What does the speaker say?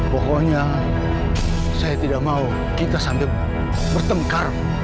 pokoknya saya tidak mau kita sambil bertengkar